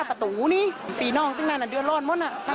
พนันออนไลน์มาไว้มั่นใจ